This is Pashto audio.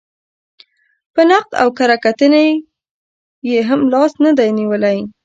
په نقد او کره کتنې یې هم لاس نه دی نېولی.